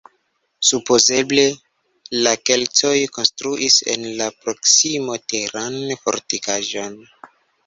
Supozeble la keltoj konstruis en la proksimo teran fortikaĵon.